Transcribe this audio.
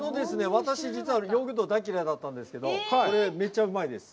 私、実はヨーグルト大嫌いだったんですけど、これ、めっちゃうまいです。